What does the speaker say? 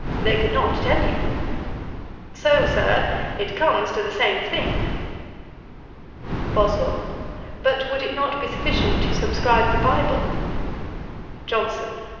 they could not tell you. So, Sir, it comes to the same thing.' BOSWELL. 'But, would it not be sufficient to subscribe the Bible?' JOHNSON.